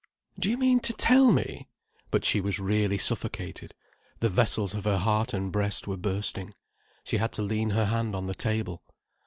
Do you mean to tell me—" but she was really suffocated, the vessels of her heart and breast were bursting. She had to lean her hand on the table.